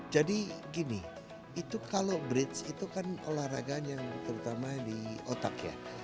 jadi gini itu kalau bridge itu kan olahraga yang terutama di otak ya